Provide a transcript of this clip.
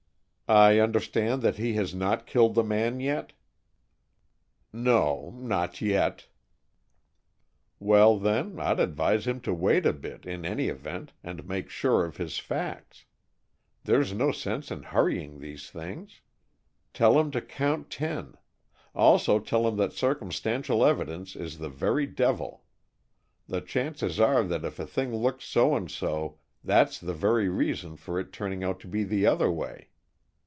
"I understand that he has not killed the man yet?" "No, not yet." "Well, then I'd advise him to wait a bit, in any event, and make sure of his facts. There's no sense in hurrying these things. Tell him to count ten. Also tell him that circumstantial evidence is the very devil. The chances are that if a thing looks so and so, that's the very reason for its turning out to be the other way.